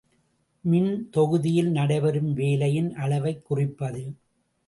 மின்தொகுதியில் நடைபெறும் வேலையின் அளவைக் குறிப்பது.